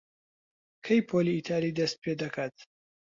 کەی پۆلی ئیتاڵی دەست پێ دەکات؟